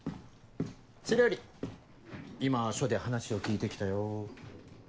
それより今署で話を聞いて来たよ。